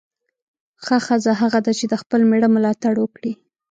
ښه ښځه هغه ده چې د خپل میړه ملاتړ وکړي.